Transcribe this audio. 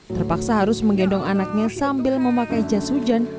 terpaksa harus menggendong anaknya sambil memakai jas hujan